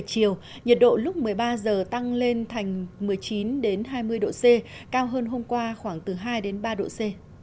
nhiệt độ lúc một mươi ba giờ tăng lên thành một mươi chín hai mươi độ c cao hơn hôm qua khoảng từ hai ba độ c